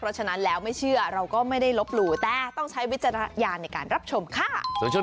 เพราะฉะนั้นแล้วไม่เชื่อเราก็ไม่ได้ลบหลู่แต่ต้องใช้วิจารณญาณในการรับชมค่ะ